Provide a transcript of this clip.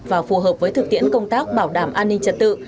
và phù hợp với thực tiễn công tác bảo đảm an ninh trật tự